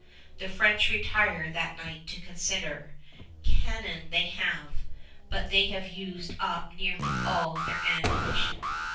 The French retire that night to consider. Cannon they have, but they have used up nearly all their ammunition.